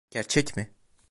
Gerçek mi?